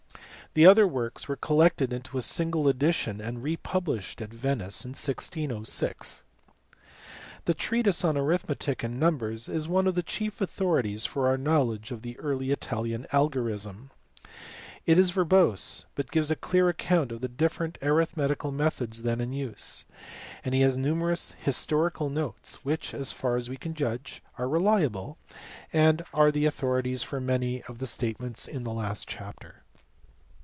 The other works were collected into a single edition and re published at Venice in 1GOG. ^ The treatise on arithmetic and numbers is one of the chief authorities for our knowledge of the early Italian algorism. It is verbose, but gives a clear account of the different arith metical methods then in use, and has numerous historical notes which, as far as we can judge, are reliable, and are the TARTAGUA, authorities for many of the statements in the last chapter.